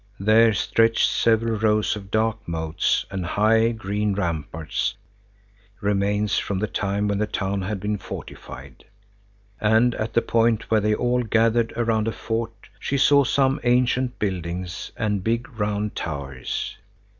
There stretched several rows of dark moats and high, green ramparts, remains from the time when the town had been fortified, and at the point where they all gathered around a fort, she saw some ancient buildings and big, round towers.